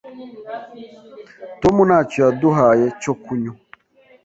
Tom ntacyo yaduhaye cyo kunywa.